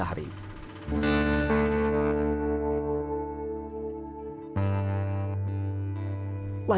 ika harus mengambil peluang untuk mengambil peluang untuk mengambil peluang